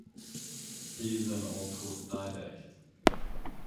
He is an autodidact.